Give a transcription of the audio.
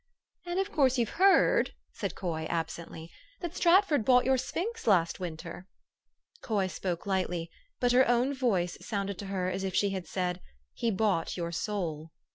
"And of course, you've heard," said Coy absently, 454 THE STORY OF AVIS. " that Stratford bought your sphinx last winter?" Coy spoke lightly ; but her own voice sounded to her as if she had said, u He bought your soul."